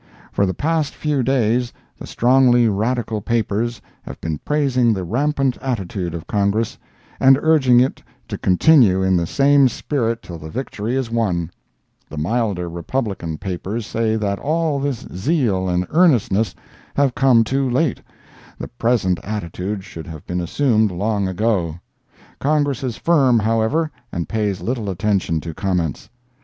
For the past few days the strongly radical papers have been praising the rampant attitude of Congress, and urging it to continue in the same spirit till the victory is won; the milder Republican papers say that all this zeal and earnestness have come too late—the present attitude should have been assumed long ago. Congress is firm, however, and pays little attention to comments.